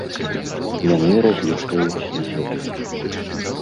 Яны разлічваюць на сябе.